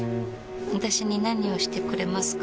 私に何をしてくれますか？